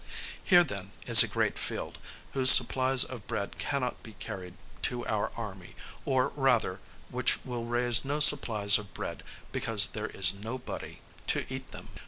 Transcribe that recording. Here, then, is a great field, whose supplies of bread cannot be carried to our army, or, rather, which will raise no supplies of bread, because there is no body to eat them.